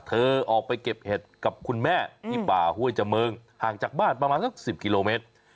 เธอออกไปเก็บเห็ดกับคุณแม่ที่ป่าห้วยเจิมิงห่างจากบ้านประมาณสัก๑๐กิโลเมตร